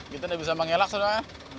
gitu udah bisa mengelak sudah kan